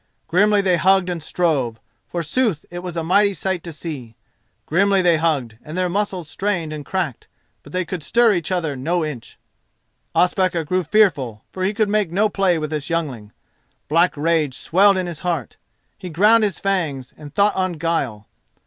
Grimly they hugged and strove: forsooth it was a mighty sight to see. Grimly they hugged, and their muscles strained and cracked, but they could stir each other no inch. Ospakar grew fearful, for he could make no play with this youngling. Black rage swelled in his heart. He ground his fangs, and thought on guile.